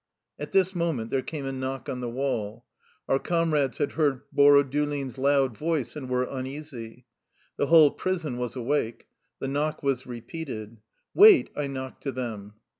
At this moment there came a knock on the wall. Our comrades had heard Borodulin's loud voice, and were uneasy. The whole prison was awake. The knock was repeated. " Wait! " I knocked to them.